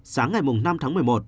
sáng ngày năm tháng một mươi một